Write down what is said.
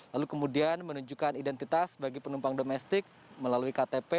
lalu kemudian menunjukkan identitas bagi penumpang domestik melalui ktp